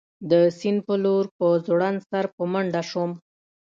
د سیند په لور په ځوړند سر په منډه شوم.